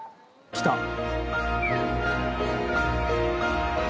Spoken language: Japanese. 来た。